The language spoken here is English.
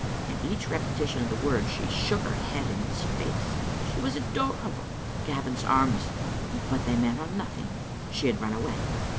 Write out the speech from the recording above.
At each repetition of the word she shook her head in his face. She was adorable. Gavin's arms — but they met on nothing. She had run away.